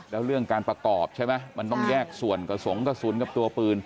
แล้วเรื่องการประกอบใช่ไหมมันต้องแยกส่วนกระสงกระสุนกับตัวปืน